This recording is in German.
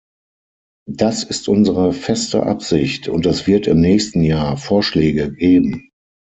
Das ist unsere feste Absicht, und es wird im nächsten Jahr Vorschläge geben.